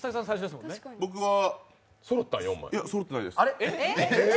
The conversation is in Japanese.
僕はそろってないです。